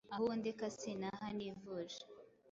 Ahubwo ndeka sintaha ntivuje